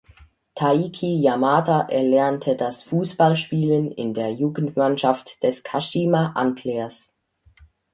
Taiki Yamada erlernte das Fußballspielen in der Jugendmannschaft der Kashima Antlers.